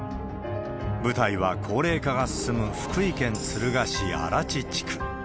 舞台は高齢化が進む福井県敦賀市愛発地区。